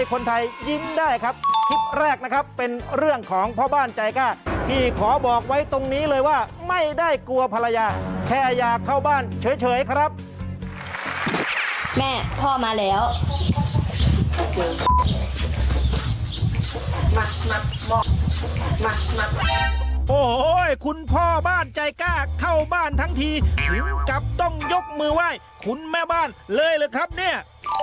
โอ้โหคุณพ่อบ้านใจกล้าเข้าบ้านทั้งทีถึงกับต้องยกมือไหว้คุณแม่บ้านเลยหรือครับเนี่ย